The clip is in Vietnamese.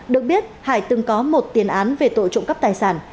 được biết hải từng có một tiền án về tội trộm cắp tài sản